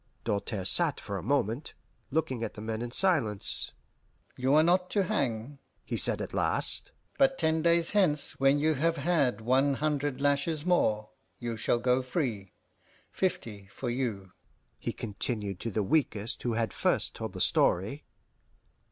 Doltaire sat for a moment, looking at the men in silence. "You are not to hang," he said at last; "but ten days hence, when you have had one hundred lashes more, you shall go free. Fifty for you," he continued to the weakest who had first told the story.